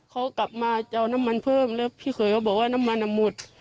เขากลับมาจะเอาน้ำมันเพิ่มแล้วพี่เขยก็บอกว่าน้ำมันหมด